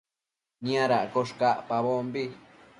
Niadaccosh cacpabombi